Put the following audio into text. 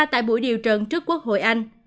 tại buổi điều trần trước quốc hội anh